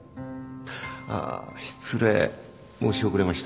ああ失礼申し遅れました。